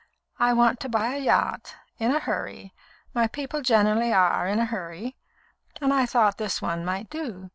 I want to buy a yacht, in a hurry my people generally are in a hurry and I thought this one might do.